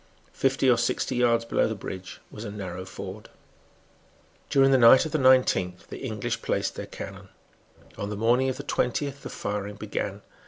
Fifty or sixty yards below the bridge was a narrow ford. During the night of the nineteenth the English placed their cannon. On the morning of the twentieth the firing began.